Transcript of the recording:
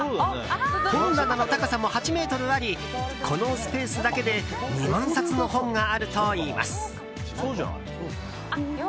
本棚の高さも８ｍありこのスペースだけで２万冊の本があるといいます。